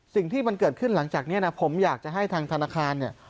สิ่งที่มันเกิดขึ้นหลังจากนี้นะผมอยากจะให้ทางธนาคารเนี่ย